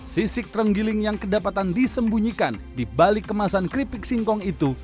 sisik terenggiling yang kedapatan disembunyikan di balik kemasan keripik singkong itu